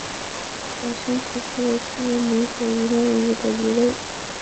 小胸鳍蛇鲻为狗母鱼科蛇鲻属的鱼类。